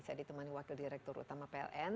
saya ditemani wakil direktur utama pln